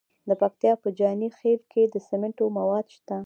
د پکتیا په جاني خیل کې د سمنټو مواد شته.